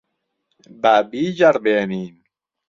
با بیجەڕبێنین.